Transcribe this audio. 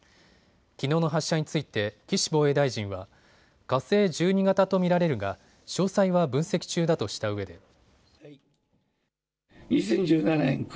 きのうの発射について岸防衛大臣は火星１２型と見られるが詳細は分析中だとしたうえで。